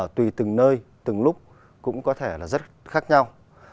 tùy từng nơi từng lúc cũng có thể là rất khác nhau